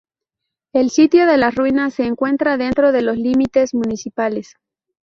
El sitio de las ruinas se encuentra dentro de los límites municipales.